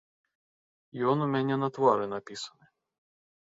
Ён ў мяне на твары напісаны.